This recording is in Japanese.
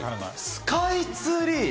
スカイツリー。